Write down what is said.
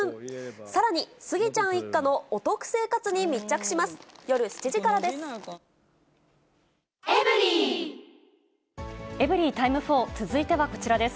さらにスギちゃん一家のお得生活に密着します。